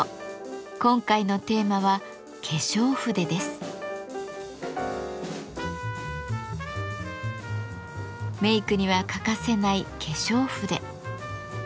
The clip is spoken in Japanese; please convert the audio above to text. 今回のテーマはメイクには欠かせない化粧筆。